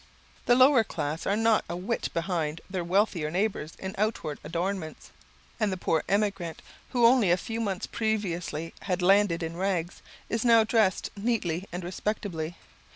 The lower class are not a whit behind their wealthier neighbours in outward adornments. And the poor emigrant, who only a few months previously had landed in rags, is now dressed neatly and respectably.